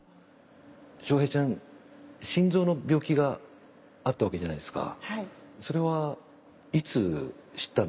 翔平ちゃん、心臓の病気があったわけじゃないですか。